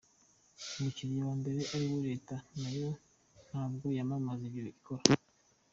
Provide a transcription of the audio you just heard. Umukiliya wa mbere ari we Leta nayo ntabwo yamamaza ibyo ikora.